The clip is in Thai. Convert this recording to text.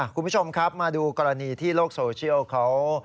คุณผู้ชมครับมาดูกรณีที่โลกโซเชียลเขา